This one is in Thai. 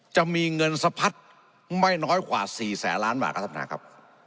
จะมีเงินสะพัดไม่น้อยกว่า๔แสนล้านบาทครับท่านประธานครับ